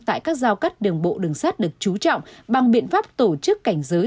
tại các giao cắt đường bộ đường sắt được trú trọng bằng biện pháp tổ chức cảnh giới